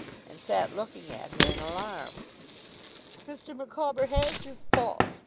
and sat looking at her in alarm. 'Mr. Micawber has his faults.